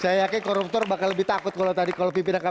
saya yakin koruptor bakal lebih takut kalau tadi vipin dan kpk nya